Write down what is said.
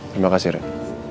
terima kasih ren